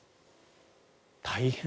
大変。